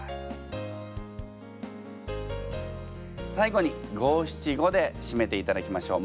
最後に五・七・五でしめていただきましょう。